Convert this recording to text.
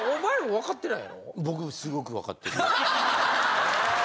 分かってない。